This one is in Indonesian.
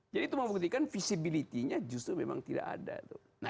jadi itu membuktikan visibility nya justru memang tidak ada